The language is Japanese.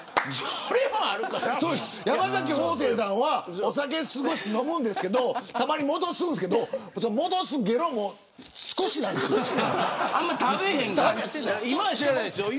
山崎方正さんはお酒すごい飲むんですけどたまに戻すんですけど戻すゲロも少しなんですよ。